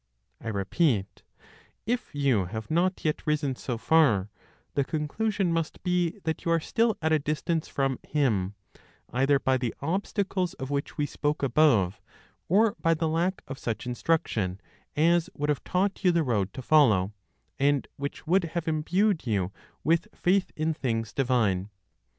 I repeat: if you have not yet risen so far, the conclusion must be that you are still at a distance from Him, either by the obstacles of which we spoke above, or by the lack of such instruction as would have taught you the road to follow, and which would have imbued you with faith in things divine.